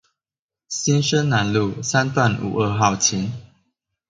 新生南路三段五二號前